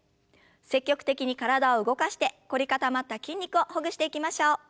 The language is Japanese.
積極的に体を動かして凝り固まった筋肉をほぐしていきましょう。